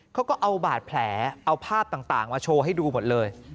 เขาก็เอาบาดแผลเอาภาพต่างมาโชว์ให้ดูหมดเลย